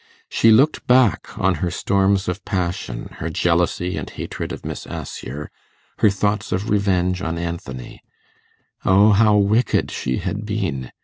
She looked back on her storms of passion, her jealousy and hatred of Miss Assher, her thoughts of revenge on Anthony. O how wicked she had been!